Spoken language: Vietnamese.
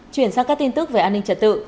chuyển sang các tin tức về an ninh trật tự